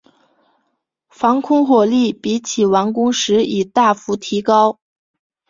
防空火力比起完工时已大幅提高。